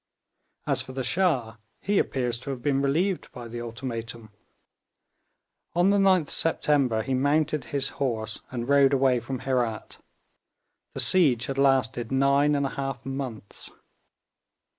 As for the Shah, he appears to have been relieved by the ultimatum. On the 9th September he mounted his horse and rode away from Herat. The siege had lasted nine and a half months.